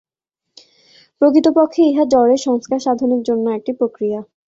প্রকৃতপক্ষে ইহা জড়ের সংস্কার সাধনের জন্য একটি প্রক্রিয়া।